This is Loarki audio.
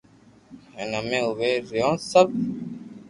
ھين امي اووي رھيو سب